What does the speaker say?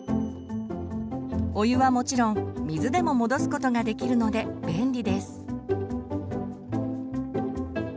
お湯はもちろん水でも戻すことができるので便利です。